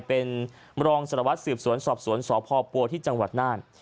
เป็นรองสารวัตรสืบสวนสอบสวนสพปัวที่จังหวัดน่าน